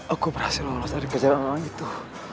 aku berhasil mencapai kejadian itu